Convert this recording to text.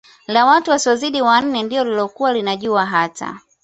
la watu wasiozidi wanne ndilo lililokuwa linajua hata